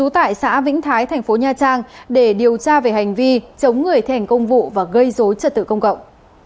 tại xã vĩnh thái tp nha trang để điều tra về hành vi chống người thẻn công vụ và gây dối trật tự công cộng